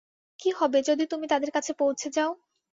কী হবে যদি তুমি তাদের কাছে পৌঁছে যাও?